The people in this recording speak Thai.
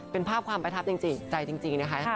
เป็นภาพความประทับจริงใจจริงนะคะ